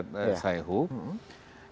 yang pertama kita lihat dari hasil hasil exit poll